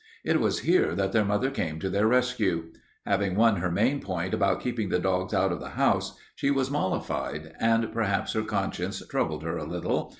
It was here that their mother came to their rescue. Having won her main point about keeping the dogs out of the house, she was mollified, and perhaps her conscience troubled her a little.